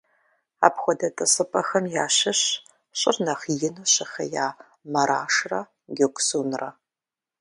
Апхуэдэ тӀысыпӀэхэм ящыщщ щӀыр нэхъ ину щыхъея Марашрэ Гёксунрэ.